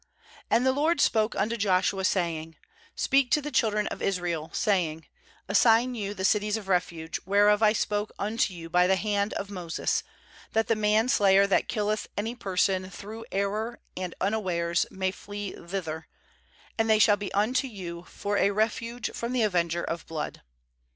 OA And the LOED spoke unto Joshua, saying: 2<Speak to the children of Israel, saying: Assign you the cities of refuge, whereof I spoke unto you by the hand of Moses; ^hat the manslayer that killeth any person through ^ error and un awares may flee thither; and they shall be unto you for a refuge from the avenger of blood.